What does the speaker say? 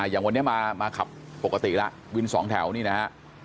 อย่างวันนี้มาขับปกติแล้ววินสองแถวนี่นะฮะ